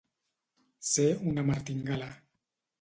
Ser una martingala.